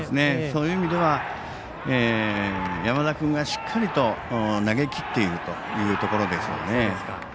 そういう意味では山田君がしっかりと投げきっているというところでしょうね。